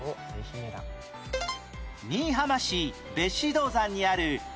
新居浜市別子銅山にある東平